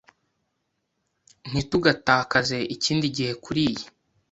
Ntitugatakaze ikindi gihe kuriyi